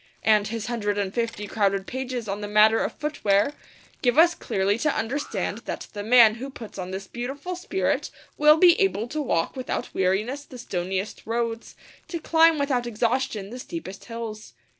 And his hundred and fifty crowded pages on the matter of footwear give us clearly to understand that the man who puts on this beautiful spirit will be able to walk without weariness the stoniest roads, and to climb without exhaustion the steepest hills.